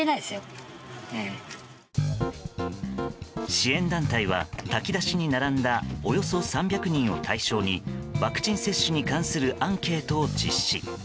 支援団体は炊き出しに並んだおよそ３００人を対象にワクチン接種に関するアンケートを実施。